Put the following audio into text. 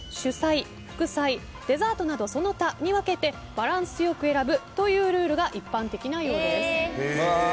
デザートなどその他に分けてバランス良く選ぶというルールが一般的なようです。